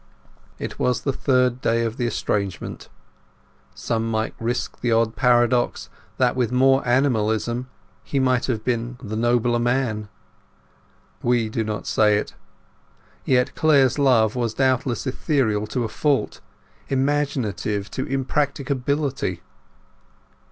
It was the third day of the estrangement. Some might risk the odd paradox that with more animalism he would have been the nobler man. We do not say it. Yet Clare's love was doubtless ethereal to a fault, imaginative to impracticability.